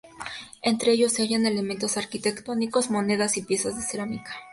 Entre ellos se hallan elementos arquitectónicos, monedas y piezas de cerámica.